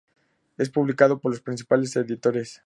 Es publicado por los principales editores.